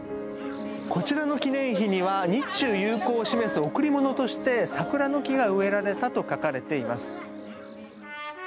こちらの記念碑には日中友好を示す贈り物として桜の木が植えられたと書かれています。